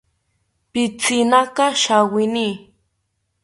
Pitzinaka shawini